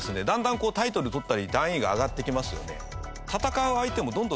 だんだんタイトル取ったり段位が上がってきますよね。